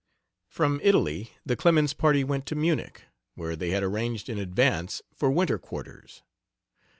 From Italy the Clemens party went to Munich, where they had arranged in advance for winter quarters.